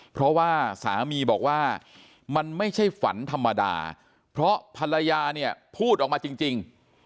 เพราะว่าสามีบอกว่ามันไม่ใช่ฝันธรรมดาเพราะภรรยาเนี่ยพูดออกมาจริง